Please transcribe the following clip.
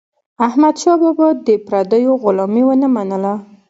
احمدشاه بابا د پردیو غلامي ونه منله.